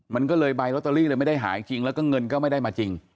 มันก็เลยใบลอตเตอรี่เลยไม่ได้หายจริงแล้วก็เงินก็ไม่ได้มาจริง